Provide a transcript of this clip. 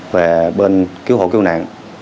và bên cứu hộ cứu nạn